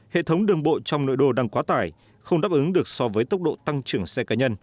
hệ thống đường bộ trong nội đô đang quá tải không đáp ứng được so với tốc độ tăng trưởng xe cá nhân